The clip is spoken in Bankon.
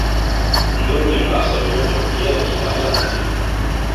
Ndom yɛ̀ŋ ǎ sɔ̀ myɔnjɔ̀, yɛ̌ɛ̀ kì ǎ lām tî.